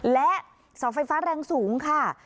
และเสาไฟฟ้าแรงสูงค่ะ